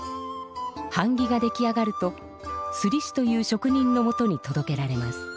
はん木が出来上がるとすりしというしょく人のもとにとどけられます。